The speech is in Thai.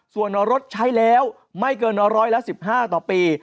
ส่วนรถใช้แล้วไม่เกินร้อยละ๑๕ต่อปี